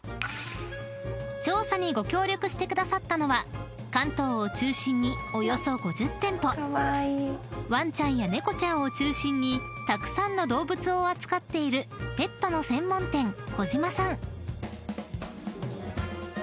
［調査にご協力してくださったのは関東を中心におよそ５０店舗ワンちゃんや猫ちゃんを中心にたくさんの動物を扱っているペットの専門店コジマさん］